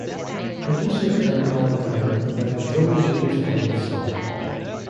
Producer Eric Valentine provided drumming duties for this song.